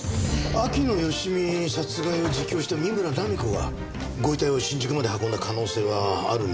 秋野芳美殺害を自供した三村菜実子がご遺体を新宿まで運んだ可能性があるにはあるんだが。